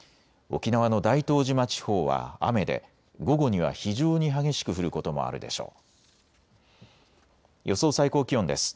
沖縄の大東島地方は雨で午後には非常に激しく降ることもあるでしょう。